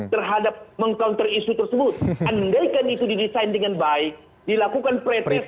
terasat mengjawab isu tersebut andaikan di desain dengan baik dilakukan retest